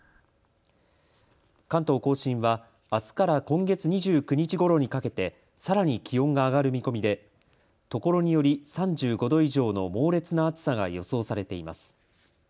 関東甲信はあすから今月２９日ごろにかけてさらに気温が上がる見込みでところにより３５度以上の猛烈な暑さが予想されています。